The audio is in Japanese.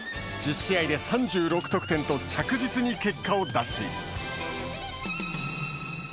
１０試合で３６得点と着実に結果を出している。